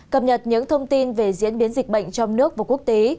cập nhật những thông tin về diễn biến dịch bệnh trong nước và quốc tế